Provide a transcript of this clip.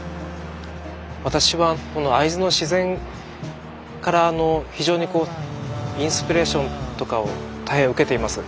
私はこの会津の自然から非常にインスピレーションとかを大変受けています。